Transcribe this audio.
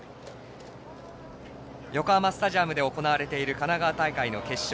横浜スタジアムで行われている神奈川大会の決勝。